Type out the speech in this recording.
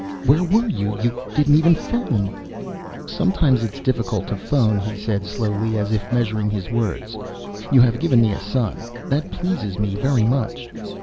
"Where were you? You didn't even phone!" "Sometimes it's difficult to phone," he said slowly, as if measuring his words. "You have given me a son. That pleases me very much."